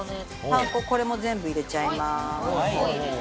パン粉これも全部入れちゃいます。